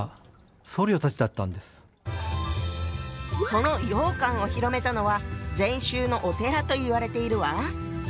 その羊羹を広めたのは禅宗のお寺といわれているわ。